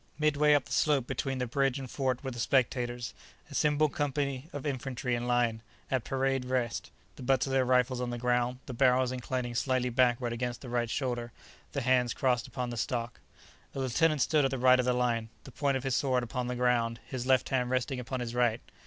Midway up the slope between the bridge and fort were the spectators—a single company of infantry in line, at "parade rest," the butts of their rifles on the ground, the barrels inclining slightly backward against the right shoulder, the hands crossed upon the stock. A lieutenant stood at the right of the line, the point of his sword upon the ground, his left hand resting upon his right.